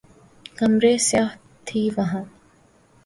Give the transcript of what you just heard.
کمریں سیاہ تھیں وہاں